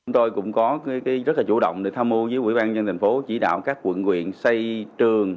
chúng tôi cũng có rất là chủ động để tham mưu với quỹ ban nhân thành phố chỉ đạo các quận nguyện xây trường